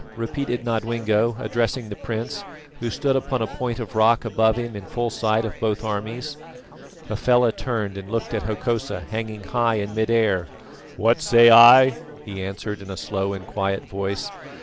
repeated Nodwengo, addressing the prince, who stood upon a point of rock above him in full sight of both armies. Hafela turned and looked at Hokosa hanging high in mid air. "What say I?" he answered in a slow and quiet voice.